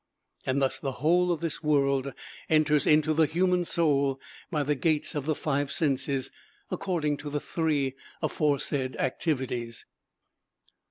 And thus the whole of this world enters into the human soul by the gates of the five senses, according to the three aforesaid activities.